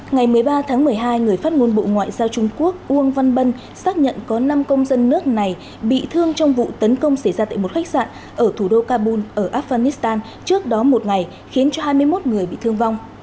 ngày một mươi ba tháng một mươi hai người phát ngôn bộ ngoại giao trung quốc uông văn bân xác nhận có năm công dân nước này bị thương trong vụ tấn công xảy ra tại một khách sạn ở thủ đô kabul ở afghanistan trước đó một ngày khiến cho hai mươi một người bị thương vong